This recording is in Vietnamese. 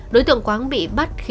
đối tượng quáng bị bắt khi đi